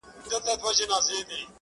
ګوندي نن وي که سبا څانګه پیدا کړي.!